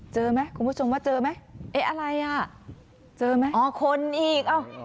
เจอไหมคุณผู้ชมว่าเจอไหมเอ๊ะอะไรอ่ะเจอไหมอ๋อคนอีกเอ้า